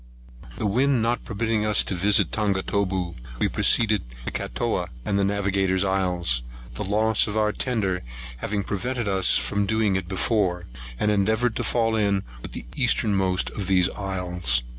THE wind not permitting us to visit Tongataboo, we proceeded to Catooa and Navigator's Isles, the loss of our tender having prevented us from doing it before, and endeavoured to fall in with the eastermost of these islands.